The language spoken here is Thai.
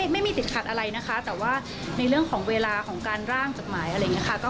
ไม่มีติดขัดอะไรนะคะแต่ว่าในเรื่องของเวลาของการร่างจดหมายอะไรอย่างนี้ค่ะ